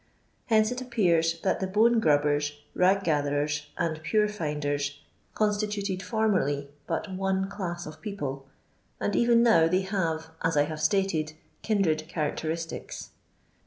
Hence it appears that the bone grubber», rag gatherers, and pure finders, constituted formerly but one class of people, and even now they have, as I have stated, kindred characteristics.